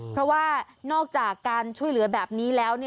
เพราะว่านอกจากการช่วยเหลือแบบนี้แล้ว